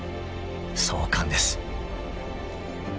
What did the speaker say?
［壮観です］